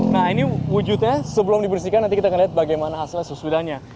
nah ini wujudnya sebelum dibersihkan nanti kita akan lihat bagaimana hasilnya sesudahnya